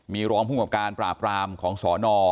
มีรองภูมิกับการปราบรามของสน